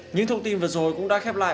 những thông tin vừa rồi cũng đã khép lại